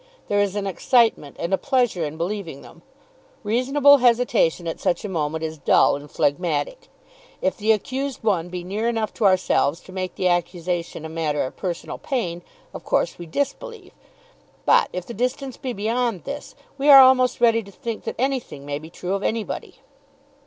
There is an excitement and a pleasure in believing them. Reasonable hesitation at such a moment is dull and phlegmatic. If the accused one be near enough to ourselves to make the accusation a matter of personal pain, of course we disbelieve. But, if the distance be beyond this, we are almost ready to think that anything may be true of anybody.